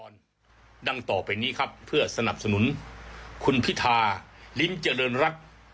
ดังต่อไปนี้ครับเพื่อสนับสนุนคุณพิธาลิ้มเจริญรัฐ